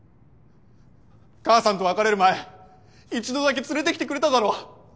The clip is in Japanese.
母さんと別れる前一度だけ連れて来てくれただろ。